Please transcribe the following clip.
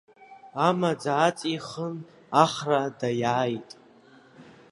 Амаӡа аҵихын, Ахра даиааит!